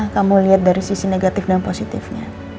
kamu lihat dari sisi negatif dan positifnya